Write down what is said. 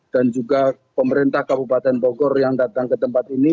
dan juga pemerintah kabupaten bogor yang datang ke tempat ini